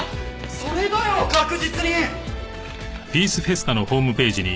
それだよ確実に！